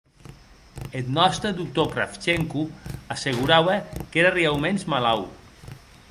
Eth nòste doctor Kravchenko asseguraue qu'ère reauments malaut.